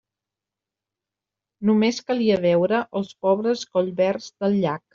Només calia veure els pobres collverds del llac.